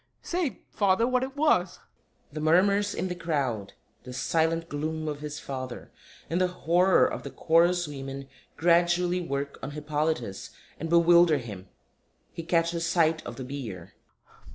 Say, Father, what it was. [The murmurs in the crowd, the silent gloom of his Father, and the horror of the Chorus women gradually work on HIPPOLYTUS _and bewilder him. He catches sight of the bier.